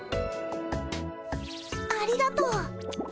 ありがとう。